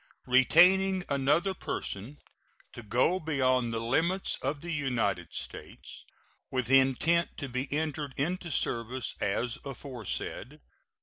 Retaining another person to go beyond the limits of the United States with intent to be entered into service as aforesaid.